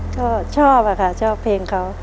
ก็ชอบอะค่ะชอบเพลงเขา